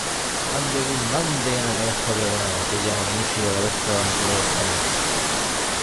juan de Guzmán tenía la cabeza pregonada, aquella magnífica cabeza de aventurero español.